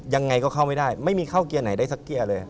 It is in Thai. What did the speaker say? ยังไงก็เข้าไม่ได้ไม่มีเข้าเกียร์ไหนได้สักเกียร์เลย